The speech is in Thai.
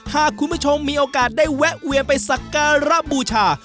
หากคุณผู้ชมมีโอกาสได้แวะเวียนไปสักการะบูชา